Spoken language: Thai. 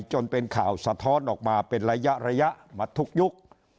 จนเป็นข่าวสะท้อนออกมาเป็นระยะระยะมาทุกยุค